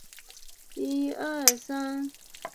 艾因格是德国巴伐利亚州的一个市镇。